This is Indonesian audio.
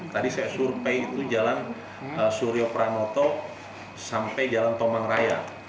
tadi saya survei itu jalan suryo pranoto sampai jalan tomang raya